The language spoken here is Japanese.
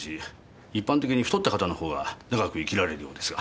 一般的に太った方のほうが長く生きられるようですが。